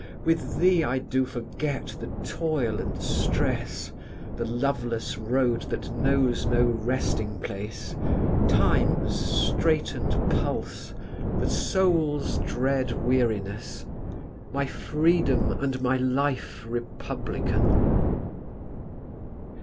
With thee I do forget the toil and stress, The loveless road that knows no resting place, Time's straitened pulse, the soul's dread weariness, My freedom and my life republican.